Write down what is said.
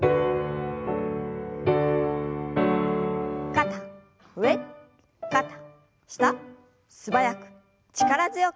肩上肩下素早く力強く。